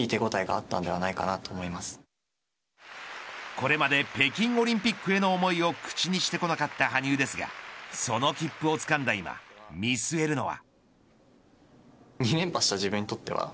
これまで北京オリンピックへの思いを口にしてこなかった羽生ですがその切符をつかんだ今見据えるのは。